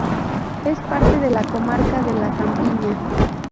Es parte de la comarca de la Campiña.